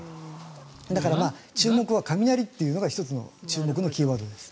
だから、注目は雷というのが１つの注目のキーワードです。